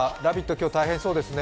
今日大変そうですね。